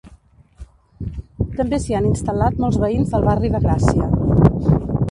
També s'hi han instal·lat molts veïns del barri de Gràcia.